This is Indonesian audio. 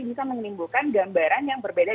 bisa menimbulkan gambaran yang berbeda